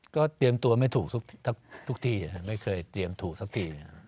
ก็เตรียมตัวไม่ถูกทุกที่ไม่เคยเตรียมถูกสักที